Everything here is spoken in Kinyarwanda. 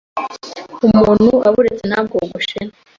umuntu aburetse ntabwogoshe